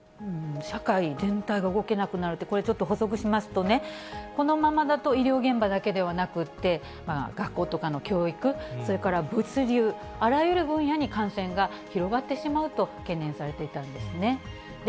社会全体が動けなくなるって、これちょっと、捕捉しますとね、このままだと医療現場だけではなくって、学校とかの教育、それから物流、あらゆる分野に感染が広がってしまうと懸念されていたんですね。